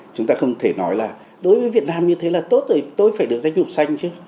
chúng ta không thể nói là đối với việt nam như thế là tốt rồi tôi phải được danh lục xanh chứ